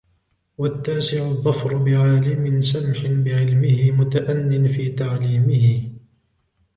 وَالتَّاسِعُ الظَّفَرُ بِعَالِمٍ سَمْحٍ بِعِلْمِهِ مُتَأَنٍّ فِي تَعْلِيمِهِ